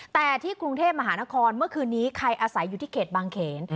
แต่ที่กรุงเทพมหานครเมื่อคืนนี้ใครอาศัยอยู่ที่เขตบางเขน